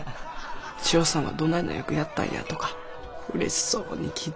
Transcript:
千代さんはどないな役やったんやとかうれしそうに聞いてはりました。